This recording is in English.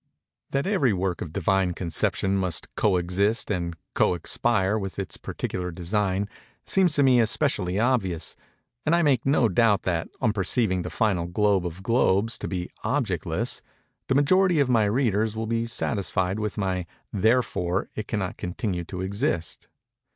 That every work of Divine conception must cöexist and cöexpire with its particular design, seems to me especially obvious; and I make no doubt that, on perceiving the final globe of globes to be objectless, the majority of my readers will be satisfied with my "therefore it cannot continue to exist."